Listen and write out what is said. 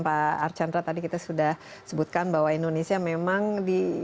pak archandra tadi kita sudah sebutkan bahwa indonesia memang di